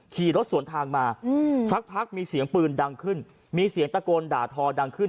ขี่รถสวนทางมาสักพักมีเสียงปืนดังขึ้นมีเสียงตะโกนด่าทอดังขึ้น